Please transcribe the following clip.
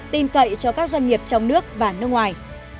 tin cậy cho các doanh nghiệp trong nước và nước ngoài